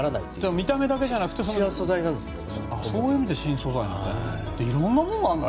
見た目だけじゃなくてそういう意味で新素材なんだ。